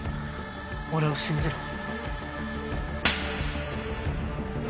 俺を信じろ。